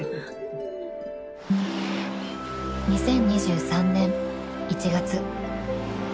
［２０２３年１月］